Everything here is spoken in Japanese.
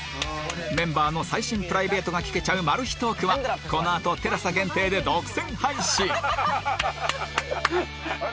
メンバーの最新プライベートが聞けちゃうマル秘トークはこのあとテラサ限定で独占配信！